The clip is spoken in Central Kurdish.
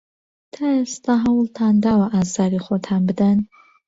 تا ئێستا هەوڵتان داوە ئازاری خۆتان بدەن؟